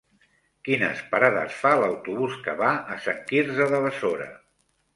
Quines parades fa l'autobús que va a Sant Quirze de Besora?